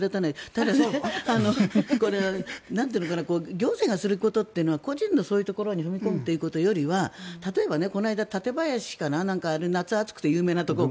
ただ、行政がすることって個人のそういうところに踏み込むということよりは例えばこの間、館林かな夏、暑くて有名なところ。